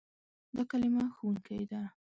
دا کلمه "ښوونکی" ده.